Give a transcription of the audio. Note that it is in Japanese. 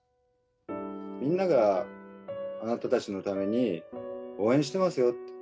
みんながあなたたちのために応援してますよ！